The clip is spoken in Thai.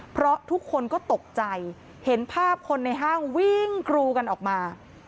เพราะทุกคนก็ตกใจเห็นภาพคนในห้างวิ่งกรูกันออกมา